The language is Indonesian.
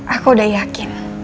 aku udah yakin